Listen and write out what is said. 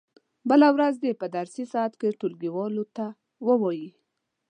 بله ورځ دې په درسي ساعت کې ټولګیوالو ته و وایي.